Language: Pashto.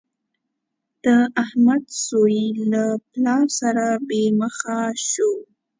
د احمد زوی له پلار سره بې مخه شو.